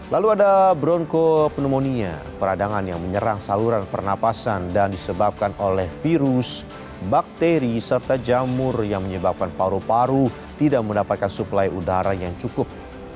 lalu ada broncopneumonia peradangan yang menyerang saluran pernapasan dan disebabkan oleh virus bakteri serta jamur yang menyebabkan paru paru tidak mendapatkan suplai udara yang cukup